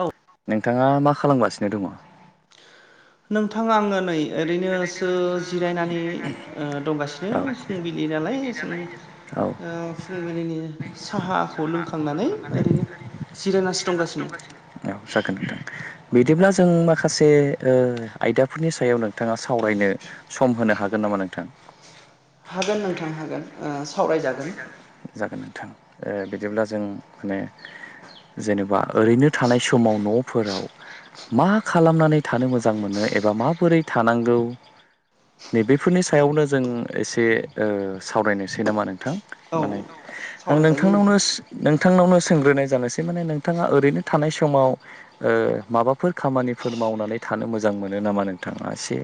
औ नोंथाङा मा खालामगासिनो दङ। नोंथां आङो नै ओरैनोसो जिरायनानै ओ दंगासिनो फुंबिलि नालाय जों औ ओ फुंबिलिनि साहाखौ लोंखांनानै ओरैनो जिरायनासो दंगासिनो। औ जागोन नोंथां बिदिब्ला जों माखासे ओ आयदाफोरनि सायावनो नोंथाङा सावरायनो सम होनो हागोन नामा नोंथां? हागोन नोंथां हागोन ओ सावरायजागोन। जागोन नोंथां ओ बिदिब्ला ओ जों माने जेनेबा ओरैनो थानाय समाव न'फोराव मा खालामनानै थानो मोजां मोनो? एबा माबोरै थानांगौ नै बेफोरनि सायावनो जों एसे ओ सावरायनोसै नामा नोंथां। औ माने आं सावरायजायो नोंथां नोंथांनावनोस नों थांनावनो सोंग्रोनाय जानोसै माने नोंथाङा ओरैनो थानाय समाव ओ माबाफोर खामानिफोर मावनानै थानो मोजां मोनो नामा नोंथाङा एसे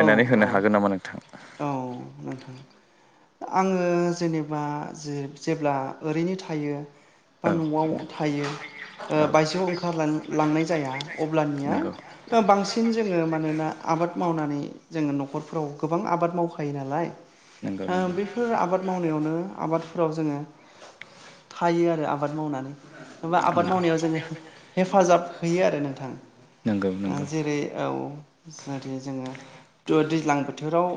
औ होनो औ हागोन नामा नोंथां? [inaudible] औ नोंथां आङो जेनेबा जे-जेब्ला ओरैनो थायो बा औ न'आव थायो। ओ औ बायजोआव ओंखारलां लांनाय जाया नंगौ अब्लानिया बांसिन जोङो मानोना आबाद मावनानै जोङो न'खरफोराव गोबां आबाद मावखायो नालाय नंगौ आ नंगौ बेफोर आबाद मावनायावनो आबादफोराव जोङो थायो आरो आबाद मावनानै। बा आबाद नंगौ मावनायाव जोङो हेफाजाब होयो आरो नोंथां। नंगौ आं नंगौ जेरै औ जाथे जोङो दैज्लां बोथोराव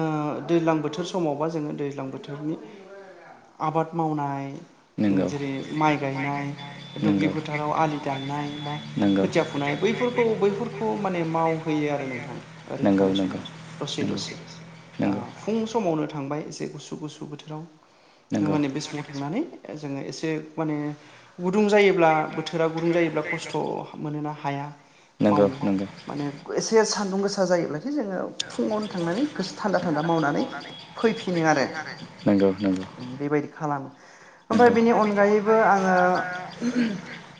ओ दैज्लां बोथोर समाव बा जोङो दैज्लां बोथोरनि आबाद मावनाय नंगौ जेरै माइ गायनाय दुब्लि फोथाराव आलि दाननाय बा खोथिया फुनाय। बैफोरखौ बैफोरखौ माने मावहोयो आरो नोंथां ओरैनो नंगौ थानाय नंगौ समाव दसे नंगौ दसे। आ नंगौ फुं समावनो थांबाय एसे गुसु गुसु बोथोराव नंगौ माने बे समाव थांनानै जोङो एसे माने गुदुं जायोब्ला बोथोरा गुदुं जायोब्ला खस्थ' मोनोना हाया। नंगौ मावनो नंगौ माने एसे सान्दुं गो सा जायोब्लाथाय जोङो फुङावनो थांनानै दसे थान्दा थान्दा मावनानै फैफिनो आरो नंगौ नंगौ बेबायदि खालामो। नंगौ ओमफ्राय बेनि अनगायैबो आङो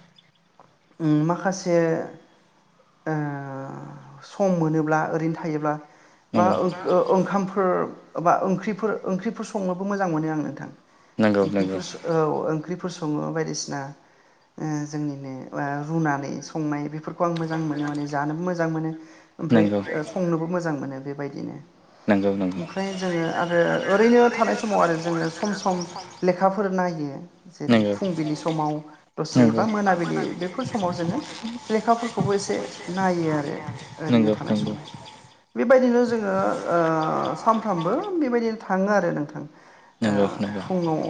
[inaudible] ओम माखासे ओ सम मोनोब्ला ओरैनो थायोब्ला बा नंगौ ओ ओ ओंखामफोर बा ओंख्रिफोर ओंख्रिफोर संनोबो मोजां मोनो आं नोंथां। नंगौ नंगौ ओंख्रिफोर स औ ओंख्रिफोर स सङो बायदिसिना ओ जोंनिनो ओ रुनानै संनाय बेफोरखौ आं मोजां मोनो माने जानोबो मोजां मोनो ओमफ्राय नंगौ संनोबो मोजां मोनो बेबायदिनो। नंगौ ओमफ्राय जोङो आरो ओरैनो थानाय समाव आरो जोङो सम सम लेखाफोर नायो नंगौ जेरै फुंबिलि समाव दसे बा नंगौ मोनाबिलि बेफोर समाव जोङो लेखाफोर खौबो एसे नायो आरो ओरैनो नंगौ नंगौ थानाय समाव बेबायदिनो जोङो ओ सानफ्रामबो बेबायदिनो थाङो आरो नोंथां। ओ नंगौ नंगौ फुङाव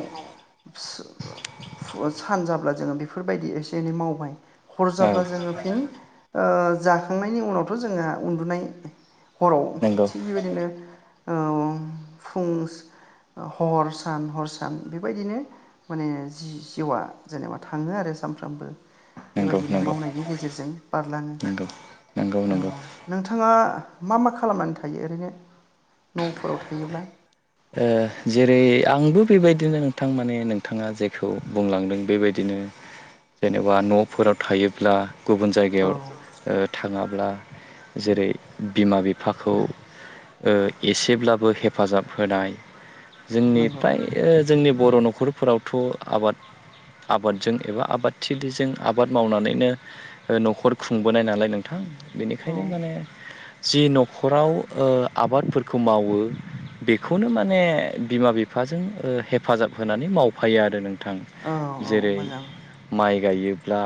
सान जाब्ला जोङो बेफोरबायदि एसे एनै मावबाय हर औ जाब्ला जोङो फिन ओ जाखांनायनि उनावथ' जोंहा उन्दुनाय हराव थिग बेबायदिनो ओ औ फुं हर सान हर सान बेबायदिनो माने जि-जिउआ जेनेबा थाङो आरो। सामफ्रामबो नंगौ बेबायदिनो नंगौ मावनायनि गेजेरजों। बारलाङो नंगौ नंगौ औ नंगौ नोंथाङा मा मा खालामनानै थायो ओरैनो? न'फोराव थायोब्ला ओ जेरै आंबो बेबायदिनो नोंथां माने नोंथाङा जेखौ बुंलांदों बेबायदिनो। जेनेबा न'फोराव थायोब्ला गुबुन औ जायगायाव ओ थाङाब्ला जेरै बिमा बिफाखौ ओ एसेब्लाबो हेफाजाब होनाय जोंनि नंगौ फ्राय ओ जोंनि बर' न'खरफोरावथ' आबाद आबादजों एबा आबादथिलिजों आबाद मावनानैनो न'खर खुंबोनाय नालाय नोंथां। औ बेनिखायनो माने जि न'खराव ओ आबादफोरखौ मावो बेखौनो माने बिमा बिफाजों हेफाजाब होनानै मावफायो आरो नों थां औ औ जेरै मोजां माइ गायोब्ला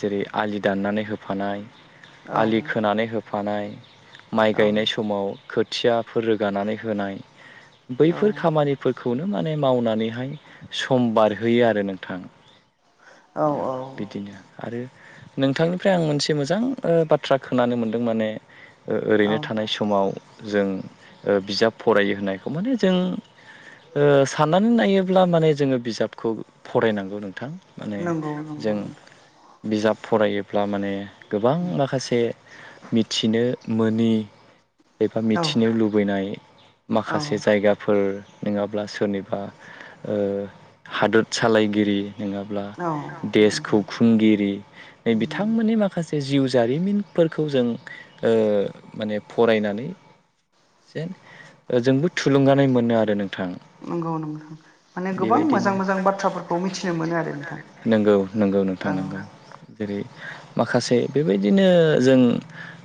जेरै आलि दाननानै होफानाय औ आलि खोनानै हो फानाय माइ औ गायनाय समाव खोथियाफोर रोगानानै होनाय। औ बैफोर खामानिफोरखौनो माने मावनानैहाय सम बारहोयो आरो नोंथां। औ बिदिनो आरो नोंथांनिफ्राय आं मोनसे मोजां ओ बाथ्रा खोनानो मोनदों माने औ ओरैनो थानाय समाव जों बिजाब फरायो होननायखौ माने जों ओ साननानै नायोब्ला माने जोङो बिजाबखौ फरायनांगौ नों थां माने नंगौ नंगौ जों नोंथां बिजाब फरायोब्ला माने गोबां माखासे मिथिनो मोनि एबा औ मिथिनो लुबैनाय औ माखासे जायगाफोर नोङाब्ला सोरनिबा ओ हादोत सालायगिरि नोङाब्ला औ नंगौ देशखौ खुंगिरि नै उम बिथांमोननि माखासे जिउ जारिमिनफोरखौ जों ओ माने फरायनानै जेन जोंबो थुलुंगानाय मोनो आरो नोंथां नंगौ नंगौ माने गोबां बेबायदिनो मोजां मोजां बाथ्राफोरखौ मिथिनो मोनो आरो नोंथां नंगौ नंगौ नोंथां औ नंगौ जेरै माखासे बेबायदिनो जों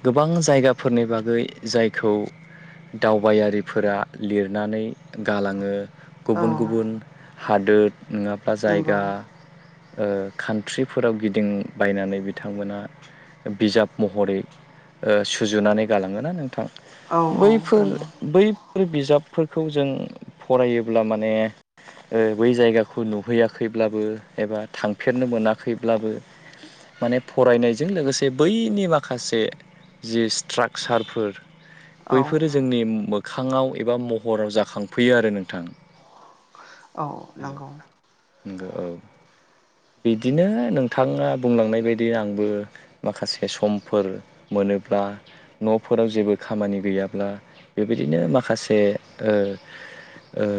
गोबां जायगाफोरनि बागै जाय खौ दावबायारिफोरा लिरनानै गालाङो गुबुन औ गुबुन हादोर नङाब्ला नंगौ जायगा ओ खान्ट्रिफोराव गिदिंबायनानै बिथांमोना बिजाब महरै ओ सुजुनानै गालाङो ना नोंथां औ औ बैफोर नंगौ बैफोर बिजाब फोर फोरखौ जों फरायोब्ला माने ओ बै जायगाखौ नुहैयाखैब्लाबो एबा थांफेरनो मोनाखैब्लाबो माने फरायनायजों लोगोसे बैनि माखासे जि स्ट्राकचारफोर औ बैफोरो जोंनि मो खाङाव एबा महराव जाखांफैयो आरो नोंथां औ नंगौ नंगौ औ बिदिनो नोंथाङा बुंलांनाय बायदि आंबो माखासे समफोर मोनोब्ला नफोराव जेबो खामानि गैयाब्ला बेबायदिनो माखासे ओ ओ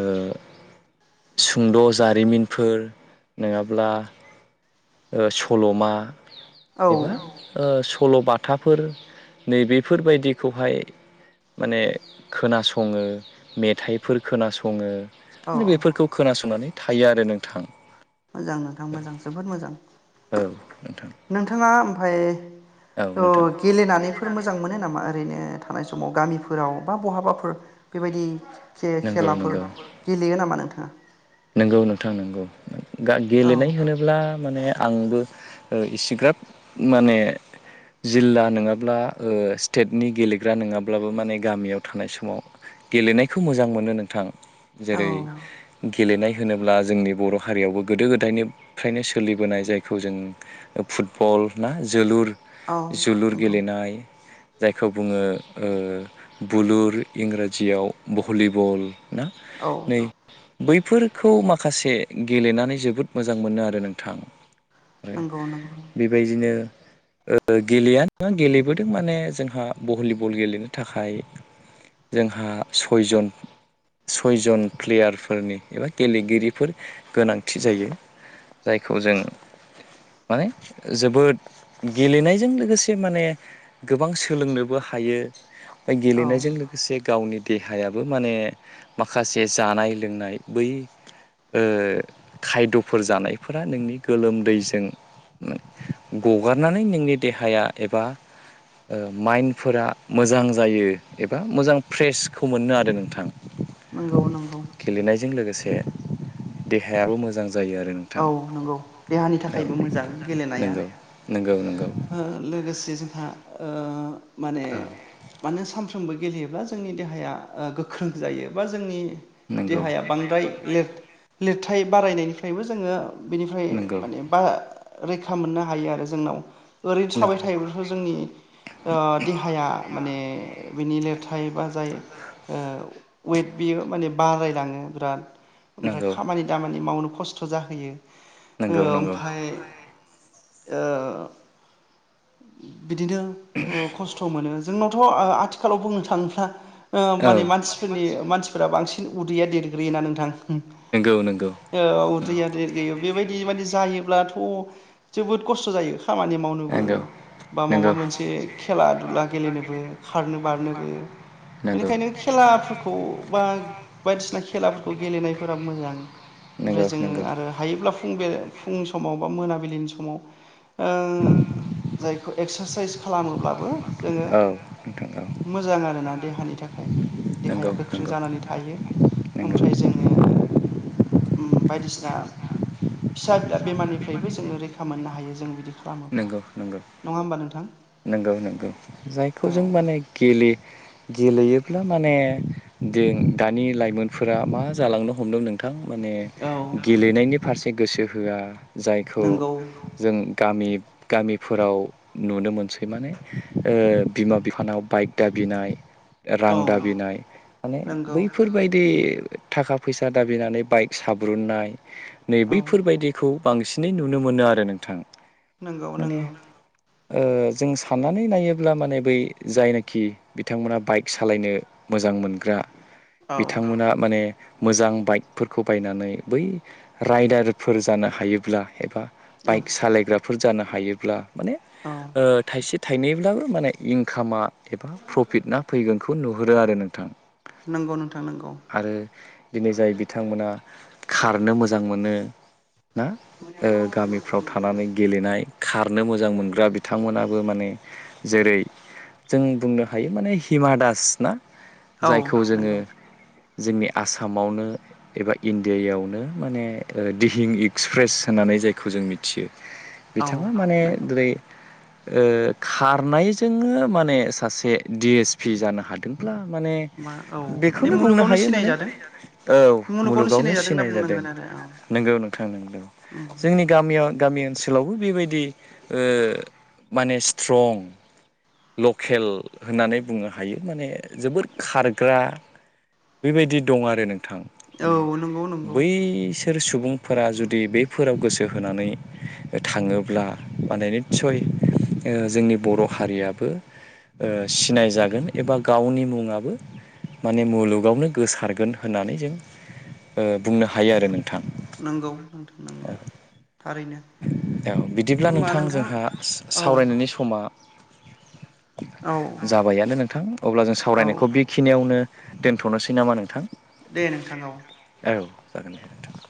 सुंद' जारिमिनफोर नङाब्ला ओ सलमा औ एबा सल' बाथाफोर नैबेफोरबायदि बेखौहाय माने खोनासङो मेथाइफोर खोनासङो औ बेफोरखौ खोनासंनानै थायो आरो नोंथां मोजां नोंथां मोजां जोबोद मोजां औ नोंथां नोंथाङा ओमफाय औ अ नोंथां गेलेनानैफोर मोजां मोनो नामा ओरैनो थानाय समाव ओरैनो गामिफोराव थानाय बा समाव गामिफोराव बहाबाफोर बेबायदि खे- नंगौ खेलाफोर गेलेयो नामा नोंथाङा? नोंगौ नोंथां नोंगौ औ गेलेनाय होनोब्ला माने आंबो इसेग्राब माने जिल्ला नङाब्ला ओ स्टेटनि गेलेग्रा नङाब्लाबो माने गामियाव थानाय समाव गेलेनायखौ मोजां मोनो नोंथां जेरै औ गेलेनाय होनोब्ला जोंनि बर हारियावबो गोदो गोदायनिफ्रायनो सोलिबोनाय जायखौ जों फुटबल ना जोलुर औ जोलुर नंगौ गेलेनाय जायखौ बुङो ओ बुलुर इंराजियाव भलिबल ना औ नै बैफोरखौ माखासे गेलेनानै जोबोद मोजां मोनो आरो नोंथां नंगौ नंगौ बेबायदिनो ओ गेलेया नङा गेलेबोदों माने जोंहा भलिबल गेलेनो थाखाय जोंहा सयजन सयजन प्लेयार फोरनि एबा गेलेगिरिफोर गोनांथि जायो जायखौ जों माने जोबोद गेलेनायजों लोगोसे माने गोबां सोलोंनोबो हायो औ गेलेनायजों लोगोसे गावनि देहायाबो माने माखासे जानाय लोंनाय बै ओ खायदफोर जानायफोरा नोंनि गोलोमदैजों गगारनानै नोंनि देहाया एबा ओ माइन्डफोरा मोजां जायो एबा मोजां फ्रेसखौ मोननो आरो नोंथां। नंगौ नंगौ गेलेनायजों लोगोसे देहायाबो मोजां जा औ नंगौ देहानि औ थाखायबो मोजां गेलेनाया। नंगौ नंगौ नंगौ लोगोसे जोंहा ओ माने औ मानो सानफ्रोमबो गेलेयोब्ला जोंनि देहाया गोख्रों जायो बा जोंनि नंगौ देहाया बांद्राय लेरथ लेर थाय बारायनायनिफ्रायबो जोङो बेनिफ्राय नंगौ माने बा रैखा मोननो हायो आरो जोंनाव। ओरैनो थाबाय नंगौ थायोब्लाथ' जोंनि ओ देहाया माने बिनि लेरथाय बा जाय वेट बियो माने बारायलाङो बिराद। ओमफ्राय नंगौ खामानि दामानि मावनो खस्थ' जाहोयो। नंगौ नंगौ ओमफाय ओ बिदिनो खस्थ' मोनो जोंनाव आंथ' आथिखालाव बुंनो थाङोब्ला औ माने मानसिफोरनि मानसिफोरा बांसिन उदैया देरग्रोयोना नोंथां। नंगौ नंगौ औ उ दैया देरग्रोयो बेबायदि माने जायोब्लाथ' जोबोद खस्थ' जायो। खामानि मावनोबो खारनोबो बा माबा मोनसे खेला दुला गेलेनोबो खारनो बारनोबो बेनिखायनो खेल खेलाफोरखौ बा बायदिसिना खेलाफोरखौ गेलेनायफोरा मोजां ओमफ्राय नोंगौ। जोङो आरो हायोब्ला फुंनि समाव बा मोनाबिलिनि समाव ओ जायखौ एक्सारसाइस खालामोब्लाबो जोङो नोंथां औ मोजां आरोना देहानि थाखाय देहाया नंगौ गोख्रों नंगौ जानानै थायो। नंगौ ओमफ्राय जोङो उम बायदिसिना फिसा बिला बेमारनिफ्रायबो जोङो रैखा मोननो हायो जों बिदि [unintelligible] मा नंगौ नंगौ नङा होमबा नोंथां? नंगौ नंगौ जायखौ जों औ माने गेले गेलेयो। फला माने जों दानि लाइमोनफोरा मा जालांनो हमदों नों नोंथां माने औ गेलेनायनि फारसे गोसो होआ। जायखौ नंगौ जों गामि गामिफोराव नुनो मोनसै माने बिमा बिफानाव बाइक दाबिनाय रां औ दाबिनाय माने नंगौ बैफोरबायदि थाखा फैसा दाबिनानै बाइक साब्रुननाय नै औ बैफोरबायदिखौ बांसिनै नुनो मोनो आरो नोंथां। नंगौ माने नंगौ। ओ जों साननानै नायोब्ला माने बै जायनाखि बिथांमोना बाइक सालायनो मोजां मोजां मोनग्रा औ बिथांमोना माने मोजां बाइकफोरखौ बायनानै बै राइडारफोर जानो हायोब्ला एबा औ बाइक सालायग्राफोर जानो हायोब्ला माने औ ओ थाइसे थाइनैब्लाबो माने इनकामा एबा प्रफिट ना फैगोनखौ नुहुरो आरो नोंथां। नंगौ नोंथां नंगौ आरो दिनै जाय बिथांमोना खारनो मोजां मोनो ना ओ गामिफ्राव थानानै गेलेनाय खारनो मोजां मोनग्रा बिथांमोनाबो माने जेरै जों बुंनो हायो माने हिमा दास ना? औ जायखौ जोङो नंगौ जोंनि आसामावनो एबा इण्डियायावनो माने दिहिं इक्सप्रेस होननानै जायखौ जों मिथियो औ बिथाङा माने नंगौ जेरै ओ खारनायजोंनो माने सासे डि एस पि जानो हादोंब्ला माने मा औ माने बेखौनो बुंनो मुलुगावनो हायो माने सिनायजादों औ मुलुगावनो सिनायजादों होनना सिनाय जादों बुंनांगोन आरो नंगौ नोंथां नंगौ औ उम जोंनि गामियाव गामि ओनसोलाव बेबायदि ओ माने स्ट्रं लकेल होननानै बुंनो हायो माने जोबोद खारग्रा बेबायदि दं आरो नों थां औ नंगौ माने औ नंगौ नंगौ बैसोर सुबुंफोरा जुदि बैफोराव गोसो गोसो होनानै थाङोब्ला माने निसय ओ जोंनि बर हारियाबो ओ सिनाय जागोन एबा गावनि मुङाबो माने मुलुगावनो गोसारगोन होननानै जों ओ बुंनो हायो आरो नोंथां नंगौ नोंथां नंगौ थारैनो औ बिदिब्ला नोंथां जोंहा औ सावरायनायनि समा औ जाबायानो नोंथां अब्ला जों औ सावरायनायखौ बेखिनियावनो दोनथनोसै नामा नोंथां दे नोंथां औ औ जागोन नोंथां